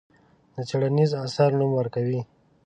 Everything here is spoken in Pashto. د څېړنیز اثر نوم ورکوي.